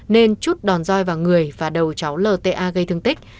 nên chút đòn roi vào người và đầu cháu lta gây thương tích